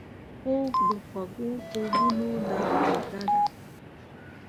خوب د خوږو خوبونو دروازه ده